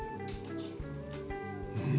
うん。